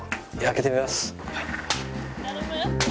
「頼む！」